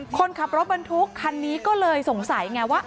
คนขับรถบรรทุกคันนี้ก็เลยสงสัยไงว่า